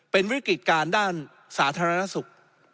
เป็นวิกฤติการด้านสาธารณสุข